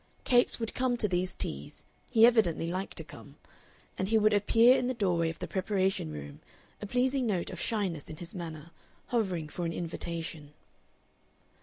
Capes would come to these teas; he evidently liked to come, and he would appear in the doorway of the preparation room, a pleasing note of shyness in his manner, hovering for an invitation.